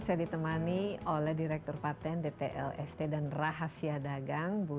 saya ditemani oleh direktur paten dt lst dan rahas dato